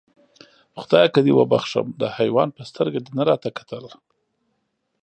خدایکه دې وبښم، د حیوان په سترګه دې نه راته کتل.